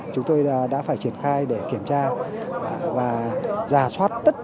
chúng tôi đã phải triển khai để kiểm tra và giả soát tất